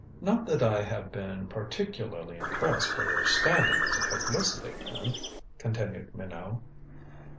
"Not that I have been particularly impressed by your standing as a publicity man," continued Minot.